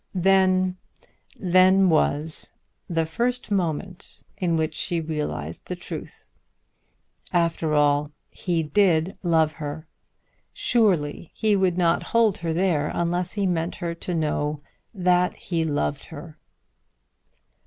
Then, then was the first moment in which she realized the truth. After all he did love her. Surely he would not hold her there unless he meant her to know that he loved her.